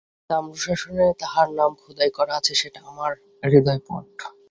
যে তাম্রশাসনে তাহার নাম খোদাই করা আছে সেটা আমার হৃদয়পট।